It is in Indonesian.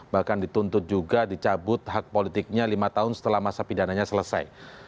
bahkan dituntut juga dicabut hak politiknya lima tahun setelah masa pidananya selesai